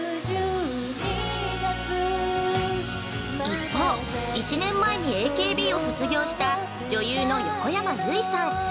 一方、１年前にＡＫＢを卒業した女優の横山由依さん。